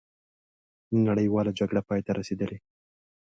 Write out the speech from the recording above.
نړیواله جګړه پای ته رسېدلې.